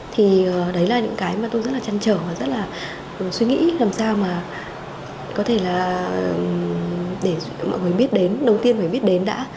thì đấy là những cái mà tôi rất là chăn trở và rất là suy nghĩ làm sao mà có thể là để mọi người biết đến đầu tiên phải biết đến đã